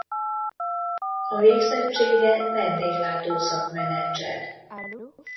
A végzettsége vendéglátó-szakmenedzser.